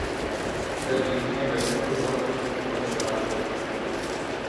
گر لکھنے بیٹھوں تو بہت کچھ لکھوں اس ذات پر